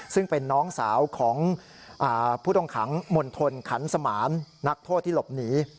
ซึ่งเป็นน้องสาวของผู้ต้องขังมณฑลขันสมานนักโทษที่หลบหนี